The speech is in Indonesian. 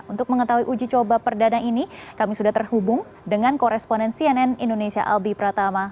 untuk mengetahui uji coba perdana ini kami sudah terhubung dengan koresponen cnn indonesia albi pratama